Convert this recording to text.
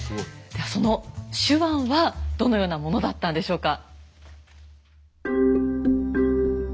ではその手腕はどのようなものだったんでしょうか。